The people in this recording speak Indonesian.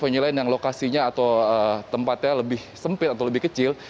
venue lain yang lokasinya atau tempatnya lebih sempit atau lebih kecil